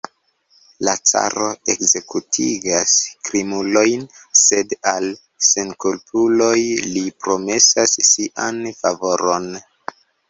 La caro ekzekutigas krimulojn, sed al senkulpuloj li promesas sian favoron.